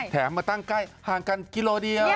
มาตั้งใกล้ห่างกันกิโลเดียว